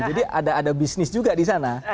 jadi ada ada bisnis juga di sana